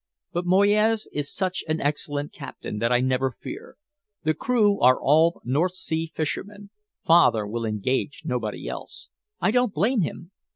But Moyes is such an excellent captain that I never fear. The crew are all North Sea fishermen father will engage nobody else. I don't blame him."